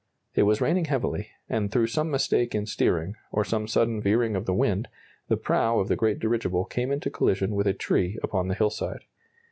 It was raining heavily, and through some mistake in steering, or some sudden veering of the wind, the prow of the great dirigible came into collision with a tree upon the hillside.